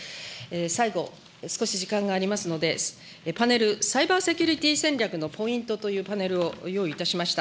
最後、少し時間がありますので、パネル、サイバーセキュリティー戦略のポイントというパネルを用意いたしました。